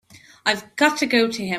I've got to go to him.